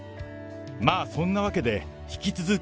まあそんなわけで、引き続き、